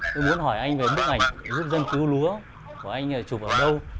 tôi muốn hỏi anh về bức ảnh giúp dân cứu lúa của anh chụp ở đâu